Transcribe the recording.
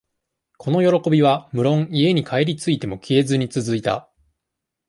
この喜びは、むろん、家へ帰り着いても消えずにつづいた。